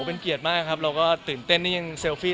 เป็นเกียรติมากครับเราก็ตื่นเต้นที่ยังเซลฟี่